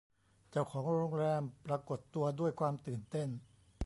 เจ้าของโรงแรมปรากฏตัวด้วยความตื่นเต้น